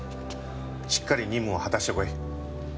しっかり任務を果たしてこい。